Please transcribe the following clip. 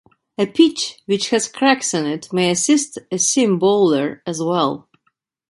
A pitch which has cracks in it may assist a seam bowler as well.